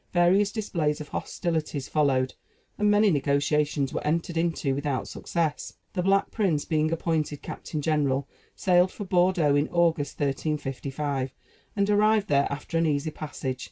Various displays of hostilities followed, and many negotiations were entered into without success. The Black Prince, being appointed captain general, sailed for Bordeaux in August, 1355, and arrived there after an easy passage.